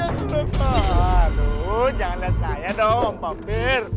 aduh jangan lihat saya dong sopir